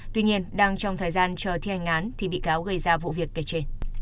tuy nhiên đang trong thời gian chờ thi hành án thì bị cáo gây ra vụ việc kể trên